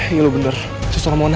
iya lo bener itu suara mona